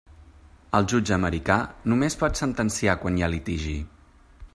El jutge americà només pot sentenciar quan hi ha litigi.